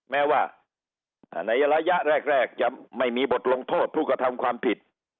แม้ว่าในระยะแรกจะไม่มีบทลงโทษผู้กระทำความผิด